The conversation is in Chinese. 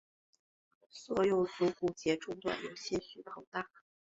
所有足股节中段些许膨大。